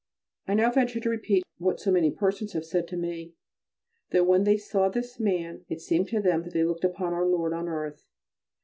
I now venture to repeat what so many persons have said to me that when they saw this man it seemed to them that they looked upon Our Lord on earth.